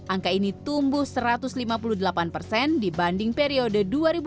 angka ini tumbuh satu ratus lima puluh delapan persen dibanding periode dua ribu dua puluh